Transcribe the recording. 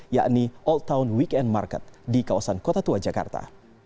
yakni old town weekend market di kawasan kota tua jakarta